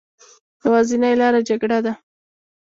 يوازينۍ لاره جګړه ده